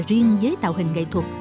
riêng giấy tạo hình nghệ thuật